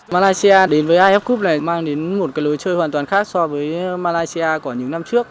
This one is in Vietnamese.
malaysia đến với if cup này mang đến một cái lối chơi hoàn toàn khác so với malaysia của những năm trước